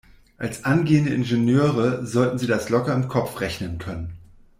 Als angehende Ingenieure sollten Sie das locker im Kopf rechnen können.